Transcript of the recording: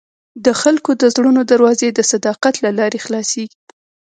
د خلکو د زړونو دروازې د صداقت له لارې خلاصېږي.